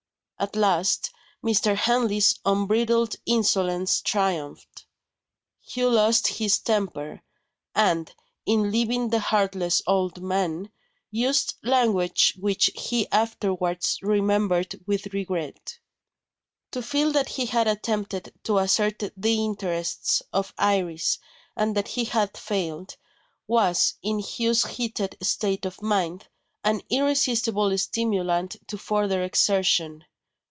At last, Mr. Henley's unbridled insolence triumphed. Hugh lost his temper and, in leaving the heartless old man, used language which he afterwards remembered with regret. To feel that he had attempted to assert the interests of Iris, and that he had failed, was, in Hugh's heated state of mind, an irresistible stimulant to further exertion.